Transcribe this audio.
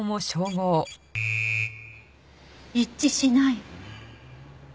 一致しない。